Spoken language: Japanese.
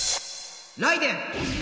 ライデェン！